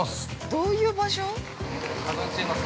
◆どういう場所？